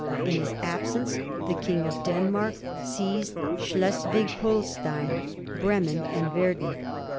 In his absence the King of Denmark seized Schleswig Holstein, Bremen, and Verden.